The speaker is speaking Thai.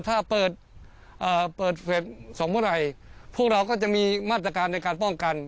ถ้าเปิดเฟลต์ส่องพระไทยพวกเราก็จะมีมาตรการในการป้องกัน